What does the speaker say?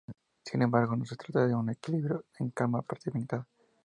Sin embargo, no se trata de un equilibrio en calma premeditada.